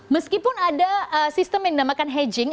meskipun ada sistem yang dinamakan hedging